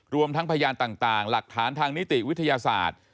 รวมทั้งพยานต่างหลักฐานทางนิติวิทยาศาสตร์